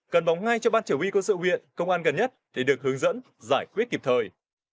cần bóng ngay cho ban chỉ huy quân sự huyện công an gần nhất để được hướng dẫn giải quyết kịp thời